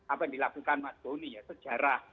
apa yang dilakukan mas doni ya sejarah